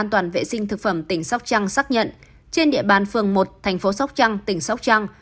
an toàn vệ sinh thực phẩm tỉnh sóc trăng xác nhận trên địa bàn phường một thành phố sóc trăng tỉnh sóc trăng